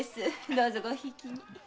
どうぞご贔屓に。